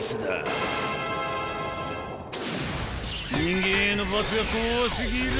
［人間への罰が怖すぎる！